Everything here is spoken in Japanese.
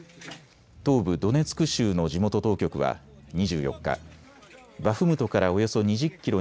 東部ドネツク州の地元当局は２４日、バフムトからおよそ２０キロ